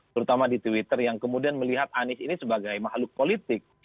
terutama di twitter yang kemudian melihat anies ini sebagai makhluk politik